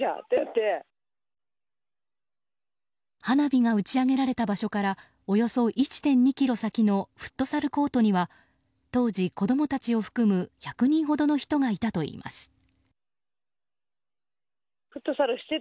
花火が打ち上げられた場所からおよそ１．２ｋｍ先のフットサルコートには当時、子供たちを含む１００人ほどの人がいたといいます。